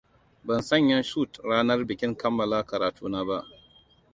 Ban sanya sut ranar bikin kammala karatuna ba.